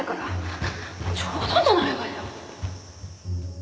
冗談じゃないわよ